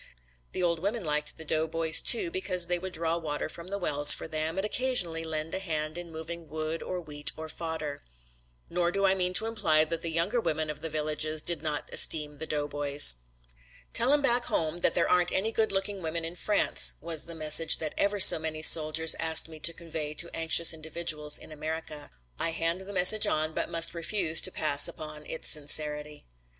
The old women liked the doughboys too because they would draw water from the wells for them and occasionally lend a hand in moving wood or wheat or fodder. Nor do I mean to imply that the younger women of the little villages did not esteem the doughboys. "Tell 'em back home that there aren't any good looking women in France," was the message that ever so many soldiers asked me to convey to anxious individuals in America. I hand the message on but must refuse to pass upon its sincerity.